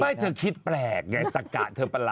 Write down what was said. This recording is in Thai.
ไม่เธอคิดแปลกไงตะกะเธอประหลา